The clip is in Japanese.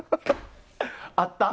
あった？